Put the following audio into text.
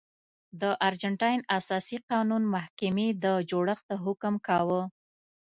د ارجنټاین اساسي قانون محکمې د جوړښت حکم کاوه.